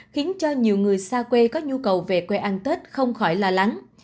khiến cho nhiều người xa quê có nhu cầu về quê ăn tết không khỏi lo lắng